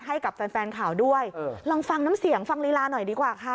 ให้กับแฟนแฟนข่าวด้วยลองฟังน้ำเสียงฟังลีลาหน่อยดีกว่าค่ะ